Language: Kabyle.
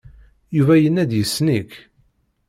Yuba yenna-d yessen-ik.